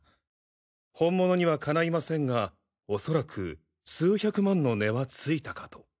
本物にはかないませんがおそらく数百万の値はついたかと。